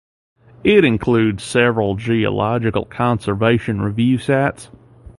It includes several Geological Conservation Review sites.